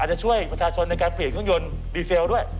อาจจะช่วยประชาชนในการเปลี่ยนขึ้นยนต์ดีเซลด้วย